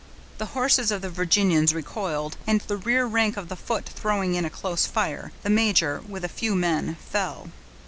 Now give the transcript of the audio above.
The horses of the Virginians recoiled, and the rear rank of the foot throwing in a close fire, the major, with a few men, fell.